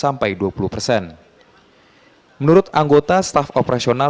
menurut anggota staff operasional